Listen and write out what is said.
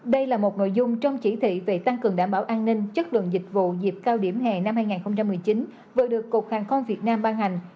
đây là một nội dung trong chỉ thị về tăng cường đảm bảo an ninh chất lượng dịch vụ dịp cao điểm hè năm hai nghìn một mươi chín vừa được cục hàng không việt nam ban hành